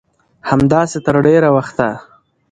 همداسې تر ډېره وخته